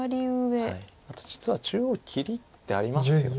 あと実は中央切りってありますよね。